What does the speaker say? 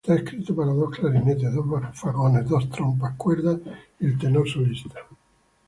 Está escrito para dos clarinetes, dos fagotes, dos trompas, cuerdas, y el tenor solista.